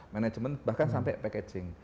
management bahkan sampai packaging